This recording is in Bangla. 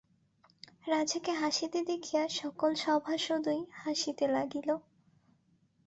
রাজাকে হাসিতে দেখিয়া সকল সভাসদই হাসিতে লাগিল।